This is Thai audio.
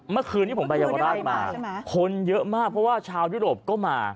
เมื่อคืนนี้ผมไปเยาวราชมาใช่ไหมคนเยอะมากเพราะว่าชาวยุโรปก็มา